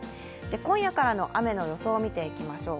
今夜からの雨の予想を見ていきましょう。